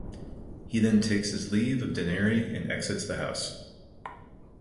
He then takes his leave of Daneri and exits the house.